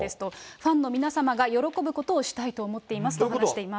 ファンの皆様が喜ぶことをしたいと思っていますと話しています。